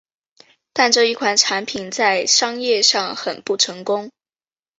但这一款产品在商业上很不成功。